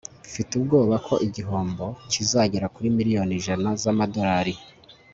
mfite ubwoba ko igihombo kizagera kuri miliyoni ijana z'amadolari